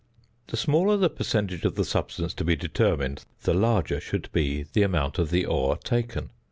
The smaller the percentage of the substance to be determined, the larger should be the amount of the ore taken.